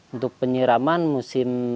untuk penyiraman musim